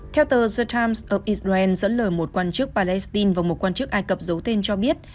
theo tờ the times of israel dẫn lời một quan chức palestine và một quan chức ai cập giấu tên cho biết